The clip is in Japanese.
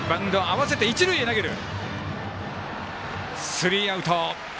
スリーアウト。